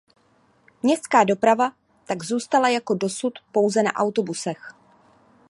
Městská doprava tak zůstala jako dosud pouze na autobusech.